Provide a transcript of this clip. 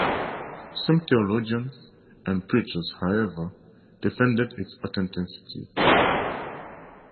Some theologians and preachers, however, defended its authenticity.